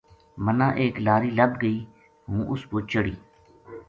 مَنا ایک لاری لبھ گئی ہوں اس پو چڑھی